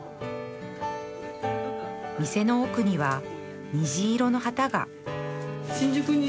店の奥には虹色の旗が